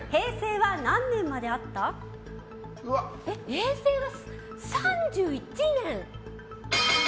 平成は３１年。